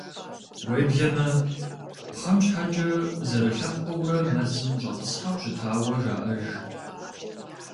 Уеблэмэ, пхъэм щхьэкӏэ зэрылъэпкъыурэ мэзым щӏэтӏысхьэу щытауэ жаӏэж.